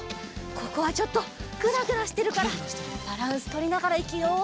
ここはちょっとぐらぐらしてるからバランスとりながらいくよ！